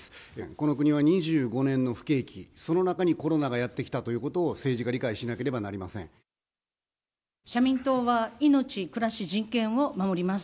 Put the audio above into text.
この国は２５年の不景気、その中にコロナがやって来たということを、政治が理解しなければ社民党は、命・暮らし・人権を守ります。